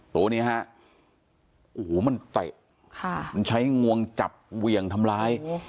ตัวนี้ฮะโอ้โหมันเตะมันใช้งวงจับเหวี่ยงทำร้าย